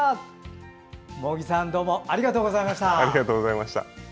茂木さん、どうもありがとうございました！